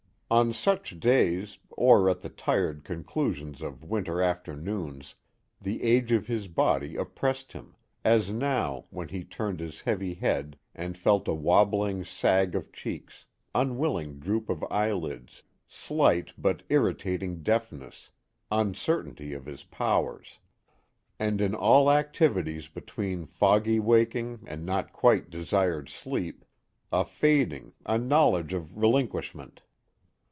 On such days, or at the tired conclusions of winter afternoons, the age of his body oppressed him as now, when he turned his heavy head and felt a wobbling sag of cheeks, unwilling droop of eyelids, slight but irritating deafness, uncertainty of his powers. And in all activities between foggy waking and not quite desired sleep, a fading, a knowledge of relinquishment.